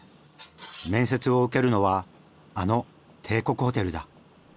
面接を受けるのはあの帝国ホテルだ。